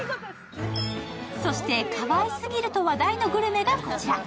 そして、かわいすぎると話題のグルメがこちら。